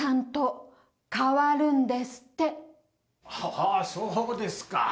はぁそうですか。